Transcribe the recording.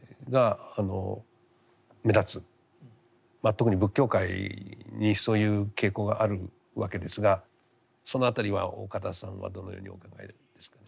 特に仏教界にそういう傾向があるわけですがその辺りは岡田さんはどのようにお考えですかね。